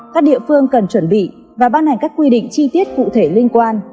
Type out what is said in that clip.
các địa phương cần chuẩn bị và ban hành các quy định chi tiết cụ thể liên quan